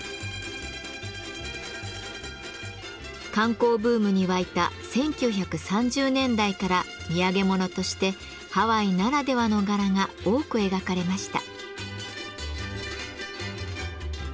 観光ブームに沸いた１９３０年代から土産物としてハワイならではの柄が多く描かれました。